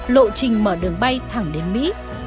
lộ trình mở đường bay thẳng đến mỹ